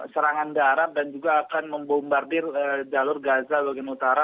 serangan darat dan juga akan membombardir jalur gaza bagian utara